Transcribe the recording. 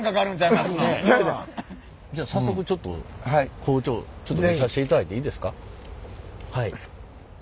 じゃあ早速ちょっと工場見させていただいていいですか？